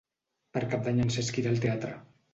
Per Cap d'Any en Cesc irà al teatre.